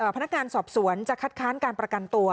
พนักงานสอบสวนจะคัดค้านการประกันตัว